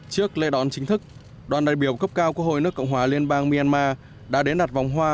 trước lễ đón chính thức đoàn đại biểu cấp cao quốc hội nước cộng hòa liên bang myanmar đã đến đặt vòng hoa